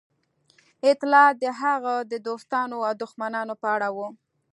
اطلاعات د هغه د دوستانو او دښمنانو په اړه وو